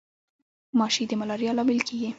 ماشي د ملاریا لامل کیږي